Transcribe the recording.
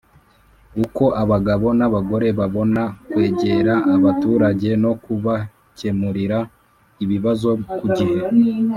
Uko abagabo n abagore babona kwegera abaturage no kubakemurira ibibazo ku gihe